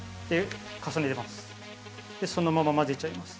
重ねてそのまま交ぜちゃいます。